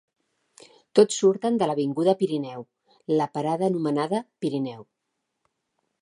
Tots surten de l'avinguda Pirineu, la parada anomenada "Pirineu".